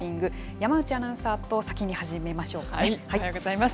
山内アナウンサーと先に始めましおはようございます。